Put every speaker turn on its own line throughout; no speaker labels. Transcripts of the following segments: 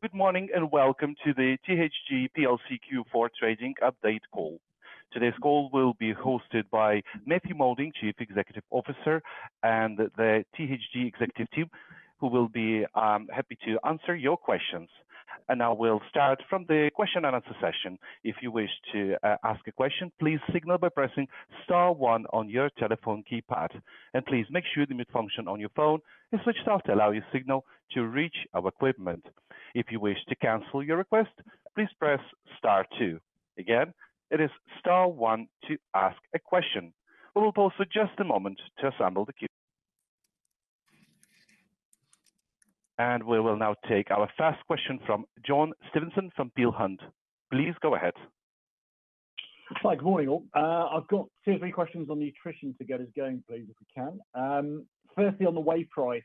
Good morning and welcome to the THG PLC Q4 Trading Update Call. Today's call will be hosted by Matthew Moulding, Chief Executive Officer, and the THG executive team, who will be happy to answer your questions, and I will start from the question-and-answer session. If you wish to ask a question, please signal by pressing star one on your telephone keypad, and please make sure the mute function on your phone is switched off to allow your signal to reach our equipment. If you wish to cancel your request, please press star two. Again, it is star one to ask a question. We will pause for just a moment to assemble the queue, and we will now take our first question from John Stevenson from Peel Hunt. Please go ahead.
Hi, good morning. I've got two or three questions on nutrition to get us going, please, if we can. Firstly, on the Whey price,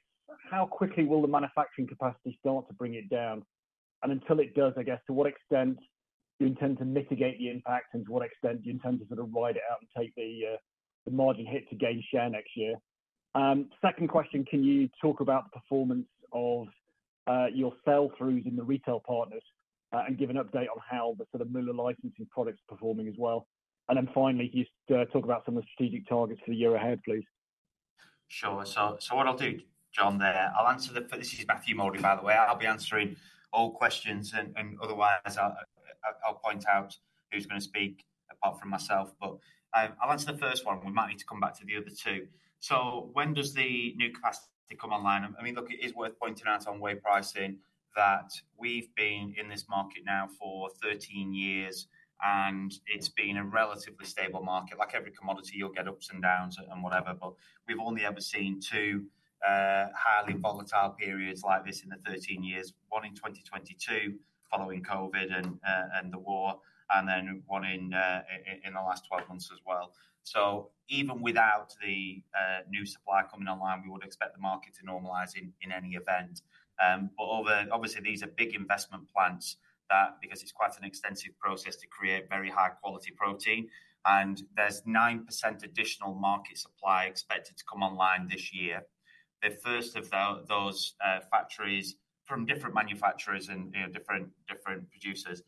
how quickly will the manufacturing capacity start to bring it down, and until it does, I guess, to what extent do you intend to mitigate the impact and to what extent do you intend to sort of ride it out and take the margin hit to gain share next year? Second question, can you talk about the performance of your sell-throughs in the retail partners and give an update on how the sort of Müller licensing products are performing as well, and then finally, can you talk about some of the strategic targets for the year ahead, please?
Sure. So what I'll do, John, there. I'll answer the, this is Matthew Moulding, by the way. I'll be answering all questions, and otherwise, I'll point out who's going to speak apart from myself. But I'll answer the first one. We might need to come back to the other two. So when does the new capacity come online? I mean, look, it is worth pointing out on Whey pricing that we've been in this market now for 13 years, and it's been a relatively stable market. Like every commodity, you'll get ups and downs and whatever, but we've only ever seen two highly volatile periods like this in the 13 years. One in 2022 following COVID and the war, and then one in the last 12 months as well. So even without the new supply coming online, we would expect the market to normalize in any event. But obviously, these are big investment plants because it's quite an extensive process to create very high-quality protein, and there's 9% additional market supply expected to come online this year. The first of those factories from different manufacturers and different producers,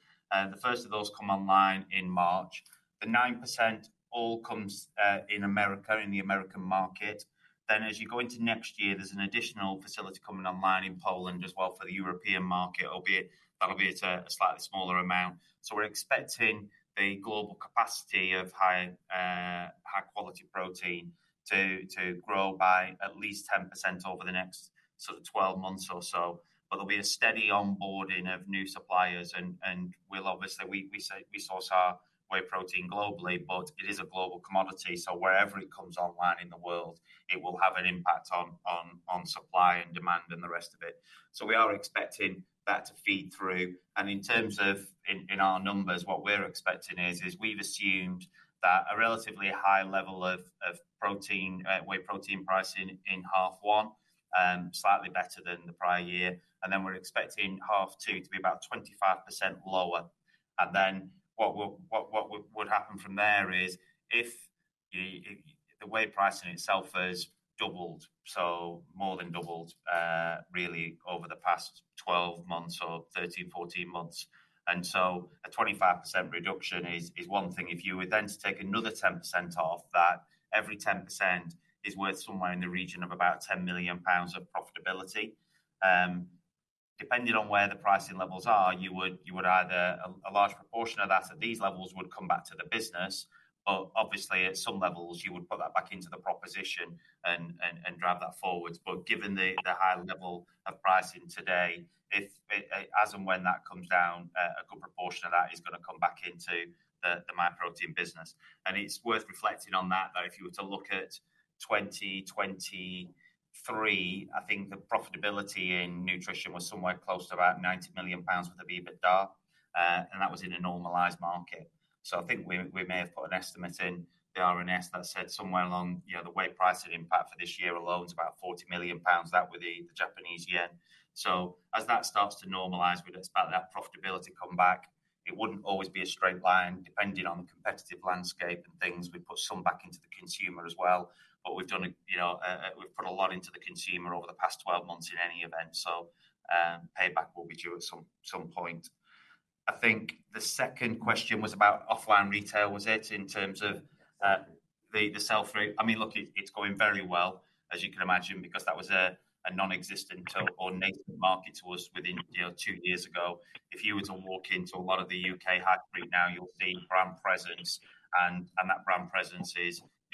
the first of those come online in March. The 9% all comes in America, in the American market. Then as you go into next year, there's an additional facility coming online in Poland as well for the European market, albeit that'll be at a slightly smaller amount. So we're expecting the global capacity of high-quality protein to grow by at least 10% over the next sort of 12 months or so. But there'll be a steady onboarding of new suppliers, and we'll obviously, we source our Whey Protein globally, but it is a global commodity. So wherever it comes online in the world, it will have an impact on supply and demand and the rest of it. So we are expecting that to feed through. And in terms of our numbers, what we're expecting is we've assumed that a relatively high level of Whey Protein pricing in half one, slightly better than the prior year. And then we're expecting half two to be about 25% lower. And then what would happen from there is if the Whey pricing itself has doubled, so more than doubled really over the past 12 months or 13, 14 months. And so a 25% reduction is one thing. If you were then to take another 10% off, that every 10% is worth somewhere in the region of about 10 million pounds of profitability. Depending on where the pricing levels are, you would add a large proportion of that at these levels would come back to the business. But obviously, at some levels, you would put that back into the proposition and drive that forwards. But given the high level of pricing today, as and when that comes down, a good proportion of that is going to come back into the Myprotein business. And it's worth reflecting on that, though. If you were to look at 2023, I think the profitability in nutrition was somewhere close to about 90 million pounds with an EBITDA, and that was in a normalized market. So I think we may have put an estimate in the RNS that said somewhere along the way pricing impact for this year alone is about 40 million pounds. That would be the Japanese yen. So as that starts to normalize, we'd expect that profitability to come back. It wouldn't always be a straight line depending on the competitive landscape and things. We put some back into the consumer as well. But we've put a lot into the consumer over the past 12 months in any event. So payback will be due at some point. I think the second question was about offline retail, was it, in terms of the sell-through? I mean, look, it's going very well, as you can imagine, because that was a non-existent or nascent market to us within two years ago. If you were to walk into a lot of the U.K. high street now, you'll see brand presence, and that brand presence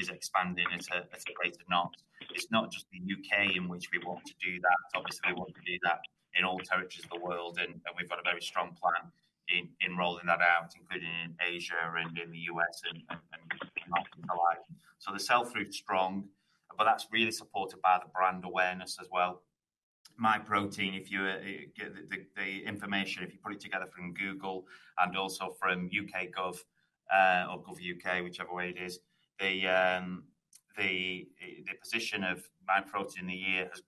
is expanding at a rate of knots. It's not just the U.K. in which we want to do that. Obviously, we want to do that in all territories of the world, and we've got a very strong plan in rolling that out, including in Asia and in the U.S. and markets alike. So the sell-through is strong, but that's really supported by the brand awareness as well. Myprotein, if you get the information, if you put it together from Google and also from U.K. Gov or gov.uk, whichever way it is, the position of Myprotein in the year has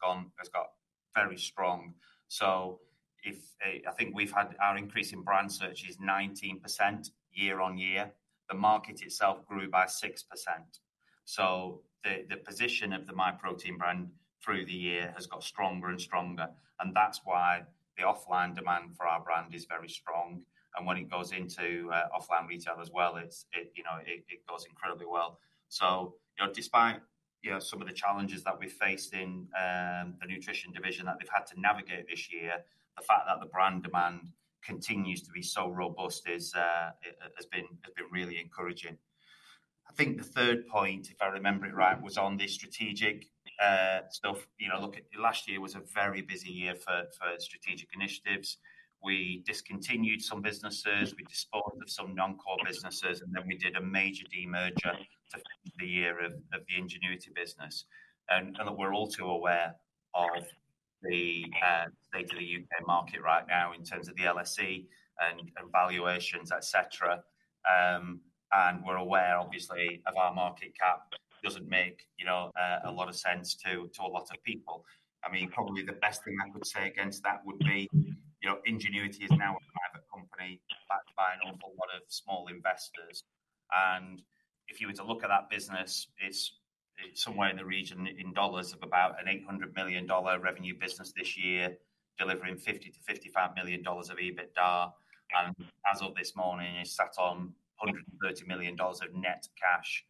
got very strong. So I think we've had our increase in brand search is 19% year on year. The market itself grew by 6%. So the position of the Myprotein brand through the year has got stronger and stronger. And that's why the offline demand for our brand is very strong. And when it goes into offline retail as well, it goes incredibly well. So despite some of the challenges that we've faced in the nutrition division that they've had to navigate this year, the fact that the brand demand continues to be so robust has been really encouraging. I think the third point, if I remember it right, was on the strategic stuff. Look, last year was a very busy year for strategic initiatives. We discontinued some businesses. We disbursed some non-core businesses, and then we did a major demerger to finish the year of the Ingenuity business. And we're all too aware of the state of the U.K. market right now in terms of the LSE and valuations, etc. And we're aware, obviously, of our market cap doesn't make a lot of sense to a lot of people. I mean, probably the best thing I could say against that would be Ingenuity is now a private company backed by an awful lot of small investors. And if you were to look at that business, it's somewhere in the region in dollars of about an $800 million revenue business this year, delivering $50-$55 million of EBITDA. And as of this morning, it's sat on $130 million of net cash.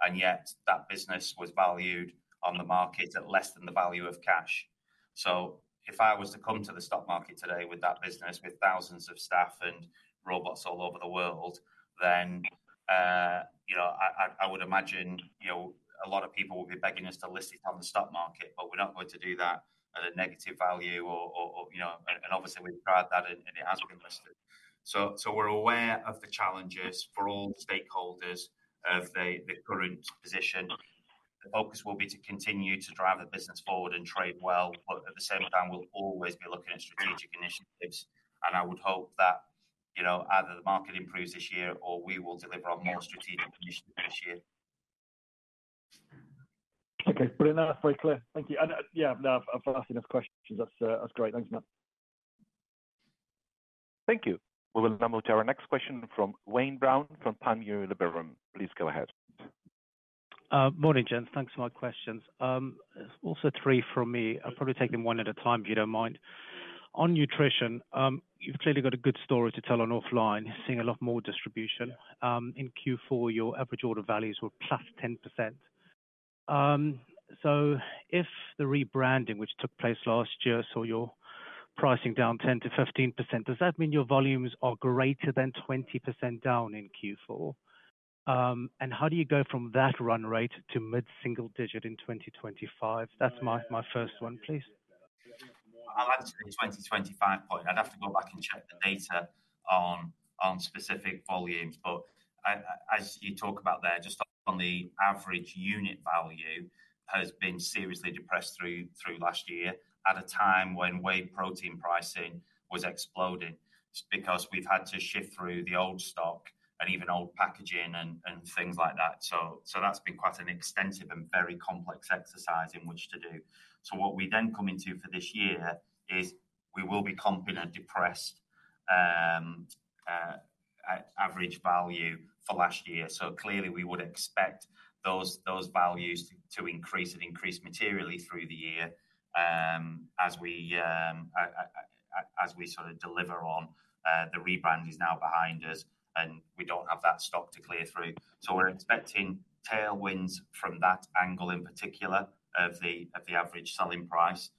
And yet, that business was valued on the market at less than the value of cash. So if I was to come to the stock market today with that business, with thousands of staff and robots all over the world, then I would imagine a lot of people would be begging us to list it on the stock market, but we're not going to do that at a negative value. And obviously, we've tried that, and it has been listed. So we're aware of the challenges for all the stakeholders of the current position. The focus will be to continue to drive the business forward and trade well. But at the same time, we'll always be looking at strategic initiatives. And I would hope that either the market improves this year or we will deliver on more strategic initiatives this year.
Okay. Brilliant. That's very clear. Thank you. And yeah, no, I've asked enough questions. That's great. Thanks, Matt.
Thank you. We will now move to our next question from Wayne Brown from Panmure Liberum. Please go ahead.
Morning, gents. Thanks for my questions. Also three from me. I'll probably take them one at a time, if you don't mind. On nutrition, you've clearly got a good story to tell on offline. You're seeing a lot more distribution. In Q4, your average order values were +10%. So if the rebranding, which took place last year, saw your pricing down 10%-15%, does that mean your volumes are greater than 20% down in Q4? And how do you go from that run rate to mid-single digit in 2025? That's my first one, please.
I'll add to the 2025 point. I'd have to go back and check the data on specific volumes. But as you talk about there, just on the average unit value has been seriously depressed through last year at a time when Whey Protein pricing was exploding because we've had to shift through the old stock and even old packaging and things like that. So that's been quite an extensive and very complex exercise in which to do. So what we then come into for this year is we will be comping a depressed average value for last year. So clearly, we would expect those values to increase and increase materially through the year as we sort of deliver on the rebrand is now behind us and we don't have that stock to clear through. So we're expecting tailwinds from that angle in particular of the average selling price.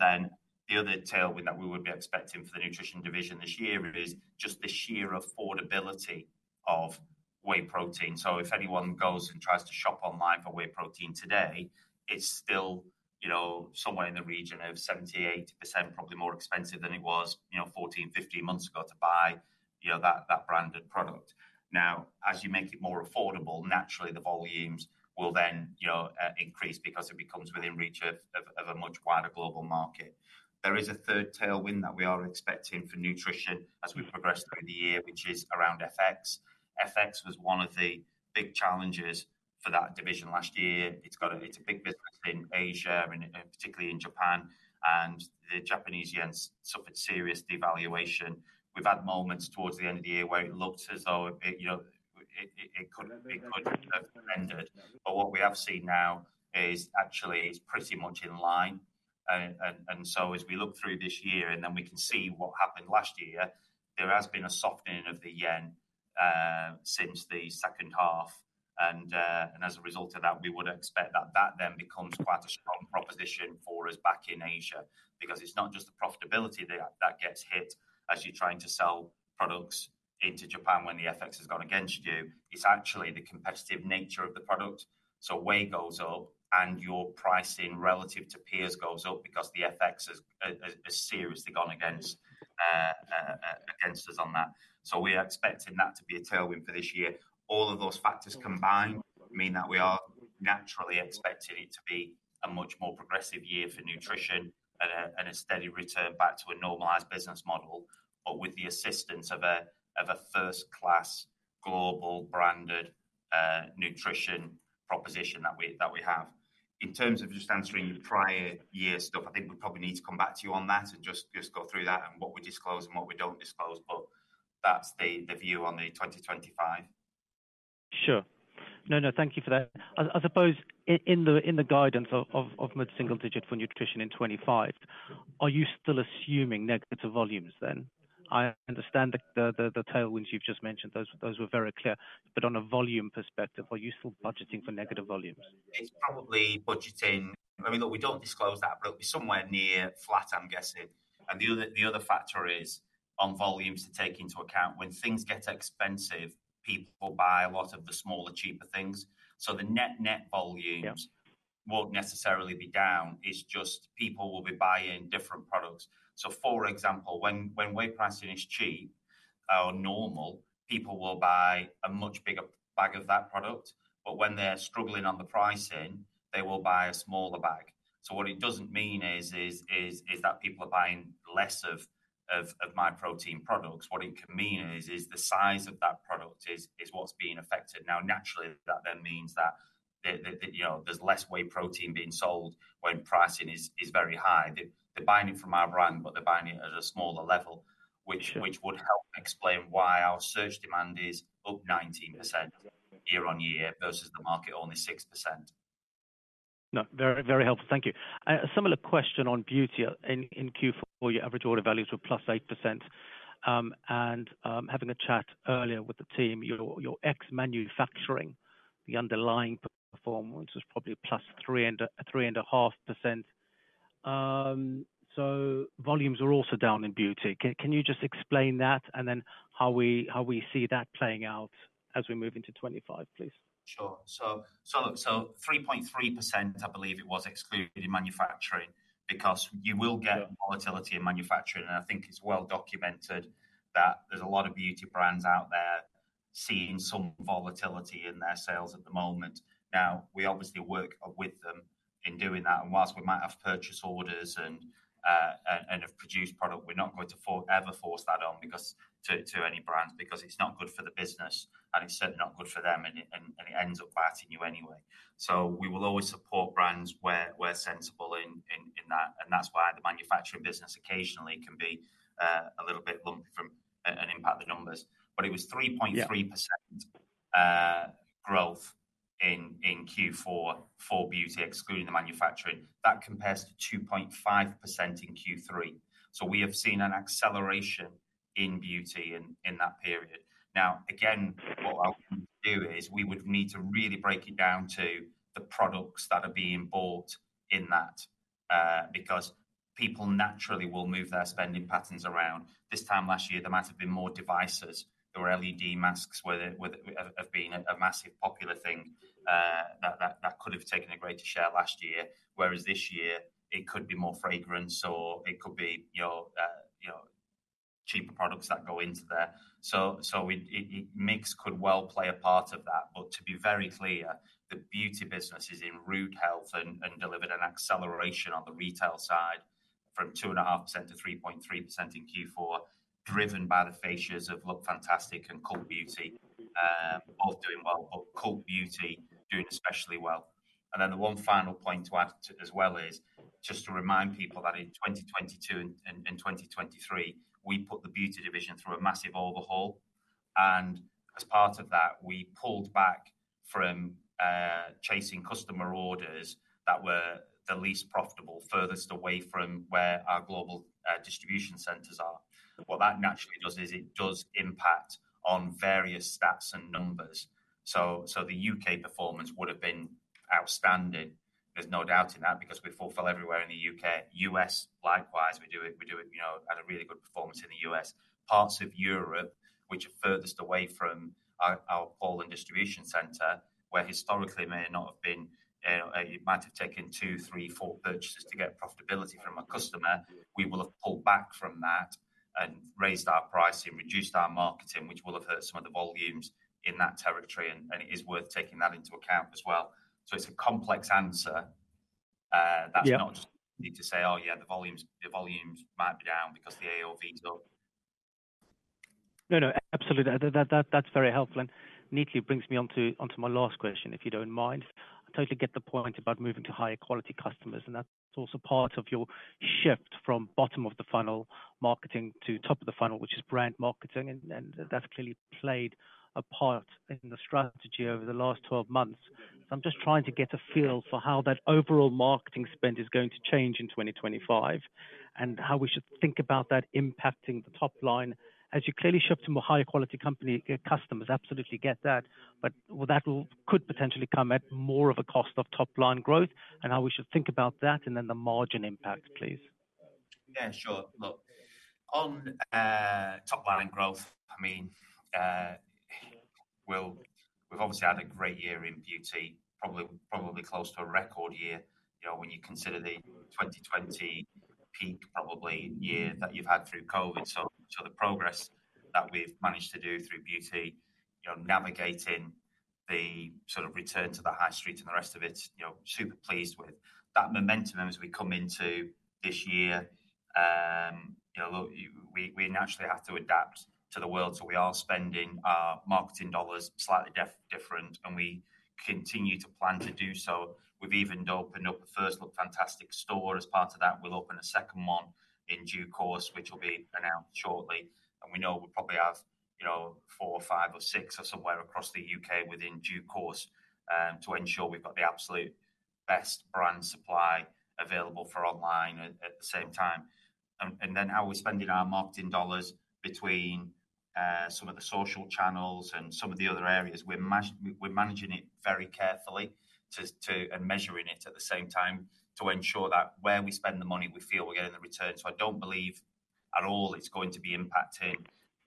Then the other tailwind that we would be expecting for the nutrition division this year is just the sheer affordability of Whey Protein. So if anyone goes and tries to shop online for Whey Protein today, it's still somewhere in the region of 70%-80%, probably more expensive than it was 14-15 months ago to buy that branded product. Now, as you make it more affordable, naturally, the volumes will then increase because it becomes within reach of a much wider global market. There is a third tailwind that we are expecting for nutrition as we progress through the year, which is around FX. FX was one of the big challenges for that division last year. It's a big business in Asia, particularly in Japan. The Japanese yen suffered serious devaluation. We've had moments towards the end of the year where it looked as though it could have ended, but what we have seen now is actually it's pretty much in line, and so as we look through this year and then we can see what happened last year, there has been a softening of the yen since the second half, and as a result of that, we would expect that that then becomes quite a strong proposition for us back in Asia because it's not just the profitability that gets hit as you're trying to sell products into Japan when the FX has gone against you. It's actually the competitive nature of the product, so Whey goes up and your pricing relative to peers goes up because the FX has seriously gone against us on that, so we're expecting that to be a tailwind for this year. All of those factors combined mean that we are naturally expecting it to be a much more progressive year for nutrition and a steady return back to a normalized business model, but with the assistance of a first-class global branded nutrition proposition that we have. In terms of just answering the prior year stuff, I think we probably need to come back to you on that and just go through that and what we disclose and what we don't disclose. But that's the view on the 2025.
Sure. No, no, thank you for that. I suppose in the guidance of mid-single digit for nutrition in 2025, are you still assuming negative volumes then? I understand the tailwinds you've just mentioned. Those were very clear. But on a volume perspective, are you still budgeting for negative volumes?
It's probably budgeting. I mean, look, we don't disclose that, but it'll be somewhere near flat, I'm guessing. And the other factor is on volumes to take into account. When things get expensive, people buy a lot of the smaller, cheaper things. So the net volumes won't necessarily be down. It's just people will be buying different products. So for example, when Whey pricing is cheap or normal, people will buy a much bigger bag of that product. But when they're struggling on the pricing, they will buy a smaller bag. So what it doesn't mean is that people are buying less of Myprotein products. What it can mean is the size of that product is what's being affected. Now, naturally, that then means that there's less Whey Protein being sold when pricing is very high. They're buying it from our brand, but they're buying it at a smaller level, which would help explain why our search demand is up 19% year on year versus the market only 6%.
No, very helpful. Thank you. A similar question on beauty. In Q4, your average order values were +8%. And having a chat earlier with the team, your ex-manufacturing, the underlying performance was probably +3.5%. So volumes are also down in beauty. Can you just explain that and then how we see that playing out as we move into 2025, please?
Sure. So 3.3%, I believe it was excluding manufacturing because you will get volatility in manufacturing. And I think it's well documented that there's a lot of beauty brands out there seeing some volatility in their sales at the moment. Now, we obviously work with them in doing that. And whilst we might have purchase orders and have produced product, we're not going to ever force that on to any brands because it's not good for the business, and it's certainly not good for them, and it ends up glassing you anyway. So we will always support brands where sensible in that. And that's why the manufacturing business occasionally can be a little bit lumpy and impact the numbers. But it was 3.3% growth in Q4 for beauty, excluding the manufacturing. That compares to 2.5% in Q3. So we have seen an acceleration in beauty in that period. Now, again, what I would do is we would need to really break it down to the products that are being bought in that because people naturally will move their spending patterns around. This time last year, there might have been more devices. There were LED masks that have been a massive popular thing that could have taken a greater share last year. Whereas this year, it could be more fragrance or it could be cheaper products that go into there. So mix could well play a part of that. But to be very clear, the beauty business is in rude health and delivered an acceleration on the retail side from 2.5%-3.3% in Q4, driven by the focus of Lookfantastic and Cult Beauty, both doing well, but Cult Beauty doing especially well. And then the one final point to add as well is just to remind people that in 2022 and 2023, we put the beauty division through a massive overhaul. And as part of that, we pulled back from chasing customer orders that were the least profitable, furthest away from where our global distribution centers are. What that naturally does is it does impact on various stats and numbers. So the U.K. performance would have been outstanding. There's no doubt in that because we fulfill everywhere in the U.K. U.S., likewise, we do it at a really good performance in the U.S. Parts of Europe, which are furthest away from our Poland distribution center, where historically may not have been. It might have taken two, three, four purchases to get profitability from a customer. We will have pulled back from that and raised our pricing, reduced our marketing, which will have hurt some of the volumes in that territory. And it is worth taking that into account as well. So it's a complex answer. That's not just easy to say, oh, yeah, the volumes might be down because the AOV is up.
No, no, absolutely. That's very helpful, and neatly brings me onto my last question, if you don't mind. I totally get the point about moving to higher quality customers, and that's also part of your shift from bottom of the funnel marketing to top of the funnel, which is brand marketing. And that's clearly played a part in the strategy over the last 12 months, so I'm just trying to get a feel for how that overall marketing spend is going to change in 2025 and how we should think about that impacting the top line. As you clearly shift to more higher quality customers, I absolutely get that, but that could potentially come at more of a cost of top line growth and how we should think about that and then the margin impact, please.
Yeah, sure. Look, on top line growth, I mean, we've obviously had a great year in beauty, probably close to a record year when you consider the 2020 peak, probably year that you've had through COVID. So the progress that we've managed to do through beauty, navigating the sort of return to the high street and the rest of it, super pleased with. That momentum as we come into this year, we naturally have to adapt to the world. So we are spending our marketing dollars slightly different, and we continue to plan to do so. We've even opened up a first Lookfantastic store as part of that. We'll open a second one in due course, which will be announced shortly. And we know we probably have four or five or six or somewhere across the U.K. in due course to ensure we've got the absolute best brand supply available for online at the same time. And then how we're spending our marketing dollars between some of the social channels and some of the other areas, we're managing it very carefully and measuring it at the same time to ensure that where we spend the money, we feel we're getting the return. So I don't believe at all it's going to be impacting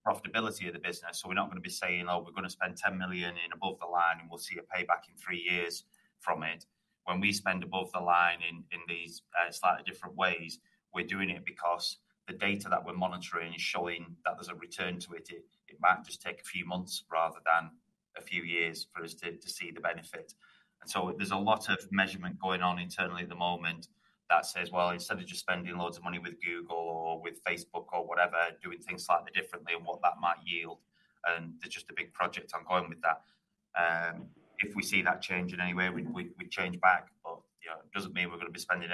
profitability of the business. So we're not going to be saying, oh, we're going to spend 10 million in above the line, and we'll see a payback in three years from it When we spend above the line in these slightly different ways, we're doing it because the data that we're monitoring is showing that there's a return to it. It might just take a few months rather than a few years for us to see the benefit. And so there's a lot of measurement going on internally at the moment that says, well, instead of just spending loads of money with Google or with Facebook or whatever, doing things slightly differently and what that might yield. And there's just a big project ongoing with that. If we see that change in any way, we change back. But it doesn't mean we're going to be spending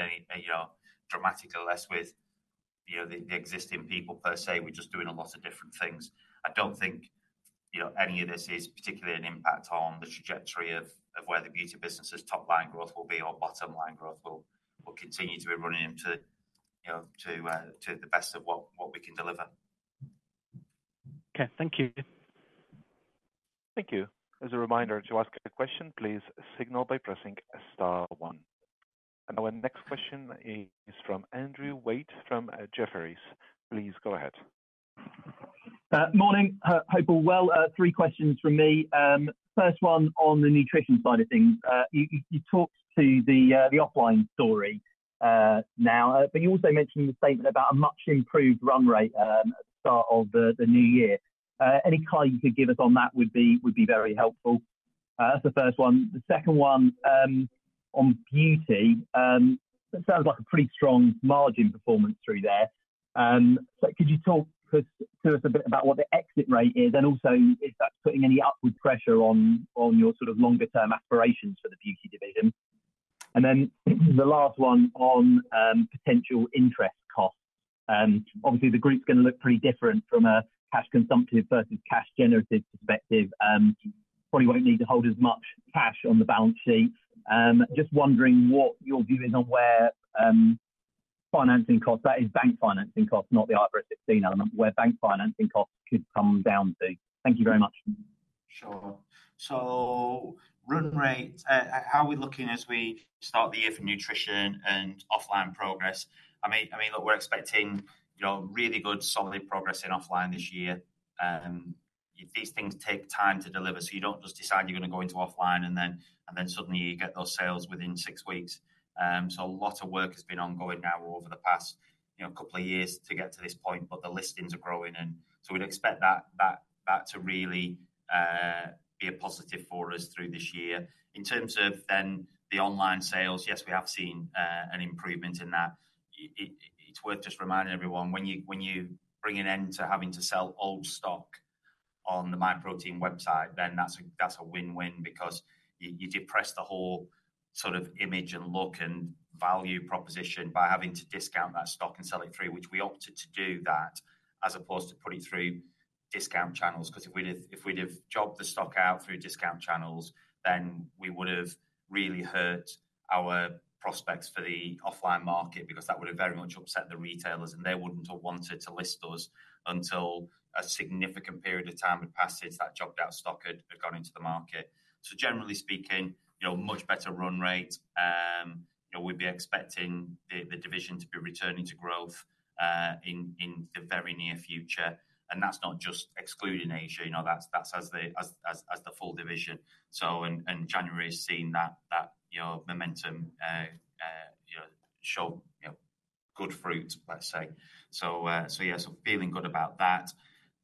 dramatically less with the existing people per se. We're just doing a lot of different things. I don't think any of this is particularly an impact on the trajectory of where the beauty business's top line growth will be or bottom line growth will continue to be running to the best of what we can deliver.
Okay. Thank you.
Thank you. As a reminder, to ask a question, please signal by pressing star one. And our next question is from Andrew Wade from Jefferies. Please go ahead.
Morning, Hope you're well, three questions from me. First one on the nutrition side of things. You talked to the offline story now, but you also mentioned the statement about a much improved run rate at the start of the new year. Any color you could give us on that would be very helpful. That's the first one. The second one on beauty, it sounds like a pretty strong margin performance through there. So could you talk to us a bit about what the exit rate is and also if that's putting any upward pressure on your sort of longer-term aspirations for the beauty division? And then the last one on potential interest costs. Obviously, the group's going to look pretty different from a cash-consumptive versus cash-generative perspective. Probably won't need to hold as much cash on the balance sheet. Just wondering what your view is on where financing costs, that is bank financing costs, not the IFRS 16 element, where bank financing costs could come down to? Thank you very much.
Sure. So run rate, how are we looking as we start the year for nutrition and offline progress? I mean, look, we're expecting really good solid progress in offline this year. These things take time to deliver. So you don't just decide you're going to go into offline and then suddenly you get those sales within six weeks. So a lot of work has been ongoing now over the past couple of years to get to this point, but the listings are growing, and so we'd expect that to really be a positive for us through this year. In terms of then the online sales, yes, we have seen an improvement in that. It's worth just reminding everyone, when you bring an end to having to sell old stock on the Myprotein website, then that's a win-win because you depress the whole sort of image and look and value proposition by having to discount that stock and sell it through, which we opted to do that as opposed to putting it through discount channels. Because if we'd have jobbed the stock out through discount channels, then we would have really hurt our prospects for the offline market because that would have very much upset the retailers, and they wouldn't have wanted to list us until a significant period of time had passed since that jobbed-out stock had gone into the market, so generally speaking, much better run rate. We'd be expecting the division to be returning to growth in the very near future, and that's not just excluding Asia. That's as for the full division, and January has seen that momentum bear good fruit, let's say, so yeah, so feeling good about that.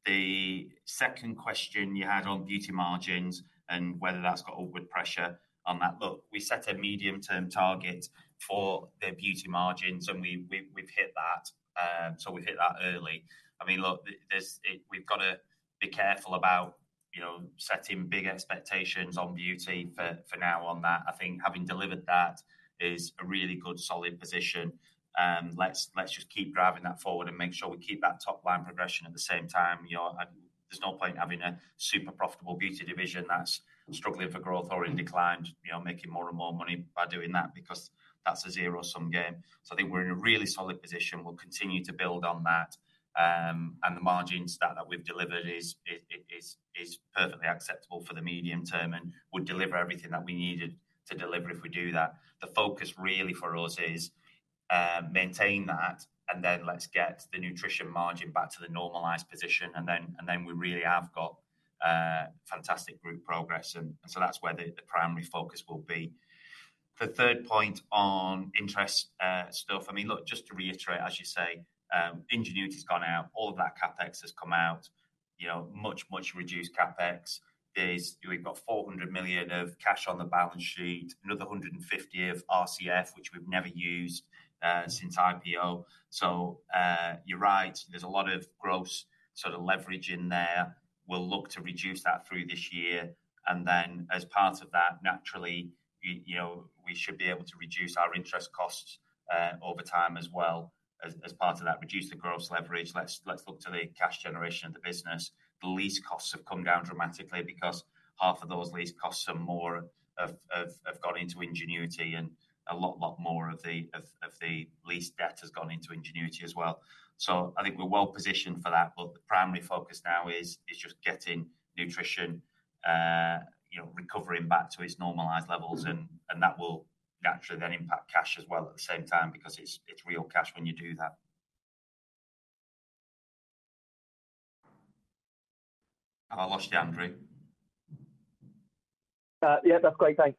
The second question you had on beauty margins and whether that's got upward pressure on that. Look, we set a medium-term target for the beauty margins, and we've hit that, so we've hit that early. I mean, look, we've got to be careful about setting big expectations on beauty from now on that. I think having delivered that is a really good solid position. Let's just keep driving that forward and make sure we keep that top-line progression at the same time. There's no point in having a super profitable beauty division that's struggling for growth or in decline, making more and more money by doing that because that's a zero-sum game. So I think we're in a really solid position. We'll continue to build on that. The margins that we've delivered is perfectly acceptable for the medium term and would deliver everything that we needed to deliver if we do that. The focus really for us is maintain that, and then let's get the nutrition margin back to the normalized position. We really have got fantastic group progress. That's where the primary focus will be. The third point on interest stuff, I mean, look, just to reiterate, as you say, Ingenuity has gone out. All of that CapEx has come out. Much, much reduced CapEx. We've got 400 million of cash on the balance sheet, another 150 million of RCF, which we've never used since IPO. You're right. There's a lot of gross sort of leverage in there. We'll look to reduce that through this year. And then as part of that, naturally, we should be able to reduce our interest costs over time as well as part of that, reduce the gross leverage. Let's look to the cash generation of the business. The lease costs have come down dramatically because half of those lease costs, more have gone into Ingenuity, and a lot more of the lease debt has gone into Ingenuity as well. So I think we're well positioned for that. But the primary focus now is just getting nutrition recovering back to its normalized levels. And that will naturally then impact cash as well at the same time because it's real cash when you do that. I lost you, Andrew.
Yeah, that's great. Thanks.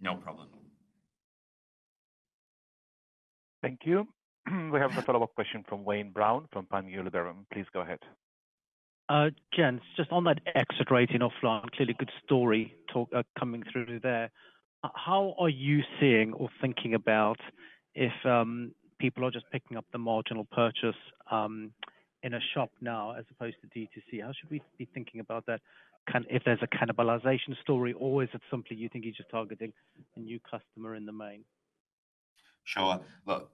No problem.
Thank you. We have a follow-up question from Wayne Brown from Panmure Liberum. Please go ahead.
Just on that exit rate in offline, clearly good story coming through there. How are you seeing or thinking about if people are just picking up the marginal purchase in a shop now as opposed to DTC? How should we be thinking about that? If there's a cannibalization story, or is it simply you think you're just targeting a new customer in the main?
Sure. Look,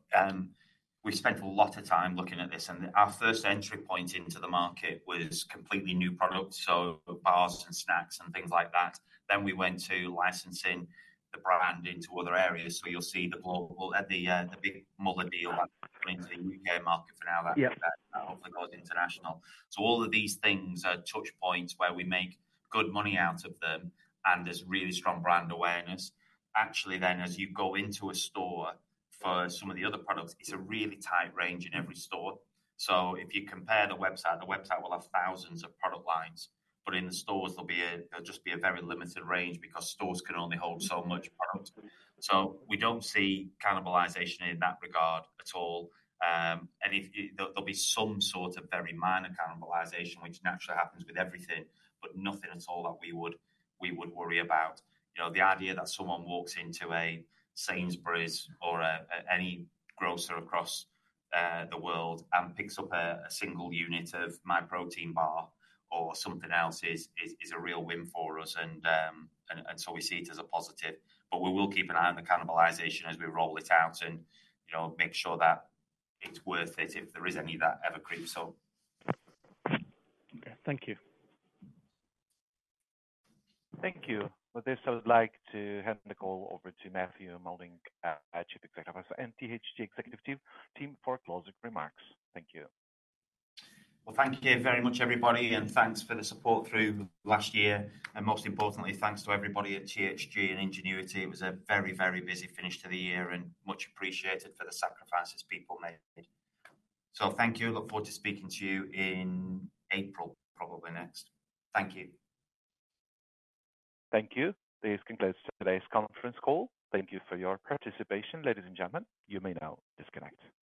we spent a lot of time looking at this. And our first entry point into the market was completely new products, so bars and snacks and things like that. Then we went to licensing the brand into other areas. So you'll see the big Müller deal coming to the U.K. market for now that hopefully goes international. So all of these things are touch points where we make good money out of them, and there's really strong brand awareness. Actually, then as you go into a store for some of the other products, it's a really tight range in every store. So if you compare the website, the website will have thousands of product lines, but in the stores, there'll just be a very limited range because stores can only hold so much product. So we don't see cannibalization in that regard at all. And there'll be some sort of very minor cannibalization, which naturally happens with everything, but nothing at all that we would worry about. The idea that someone walks into a Sainsbury's or any grocer across the world and picks up a single unit of Myprotein bar or something else is a real win for us. And so we see it as a positive. But we will keep an eye on the cannibalization as we roll it out and make sure that it's worth it if there is any that ever creeps up.
Okay. Thank you.
Thank you. With this, I would like to hand the call over to Matthew Moulding, Chief Executive and THG Executive Team for closing remarks. Thank you.
Thank you very much, everybody. Thanks for the support through last year. Most importantly, thanks to everybody at THG and Ingenuity. It was a very, very busy finish to the year and much appreciated for the sacrifices people made. Thank you. Look forward to speaking to you in April, probably next. Thank you.
Thank you. This concludes today's conference call. Thank you for your participation, ladies and gentlemen. You may now disconnect.